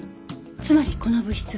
つまりこの物質は。